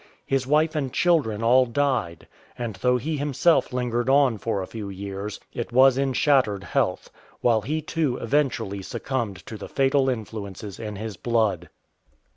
His wife and children all died, and though he himself lingered on for a few years, it was in shattered health ; while he too eventually succumbed to the fatal influences in his blood.